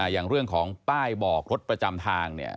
อย่างเรื่องของป้ายบอกรถประจำทางเนี่ย